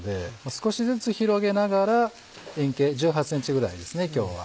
少しずつ広げながら円形１８ｃｍぐらいですね今日は。